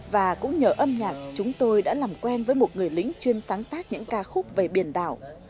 và cũng nhờ âm nhạc chúng tôi đã làm quen với một người lính chuyên sáng tác những ca khúc về biển đảo